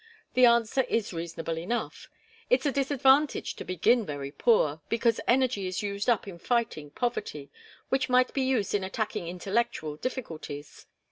The answer is reasonable enough. It's a disadvantage to begin very poor, because energy is used up in fighting poverty which might be used in attacking intellectual difficulties.